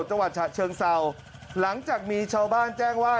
จังหวัดฉะเชิงเศร้าหลังจากมีชาวบ้านแจ้งว่า